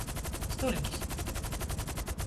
Stuļgis.